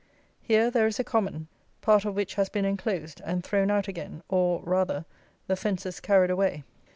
Here there is a common, part of which has been enclosed and thrown out again, or, rather, the fences carried away.